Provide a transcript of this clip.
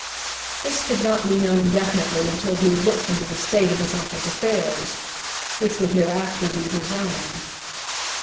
This could not be known definitely until he had looked into the state of his uncle's affairs — which would hereafter be his own.